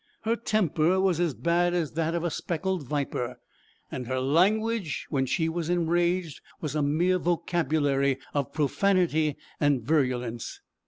Her temper was as bad as that of a speckled viper; and her language, when she was enraged, was a mere vocabulary of profanity and virulence.